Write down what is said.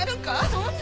そんな！